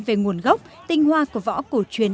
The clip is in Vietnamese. về nguồn gốc tinh hoa của võ cổ truyền